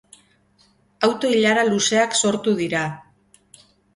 Auto-ilara luzeak sortu dira.